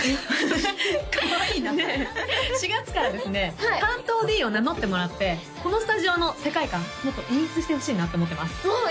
かわいいなねえ４月からですね担当Ｄを名乗ってもらってこのスタジオの世界観もっと演出してほしいなって思ってますおお！